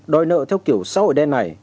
đòi nợ theo kiểu xã hội đen này